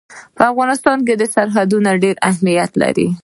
په افغانستان کې سرحدونه ډېر اهمیت لري.